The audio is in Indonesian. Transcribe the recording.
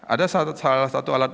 ada salah satu alat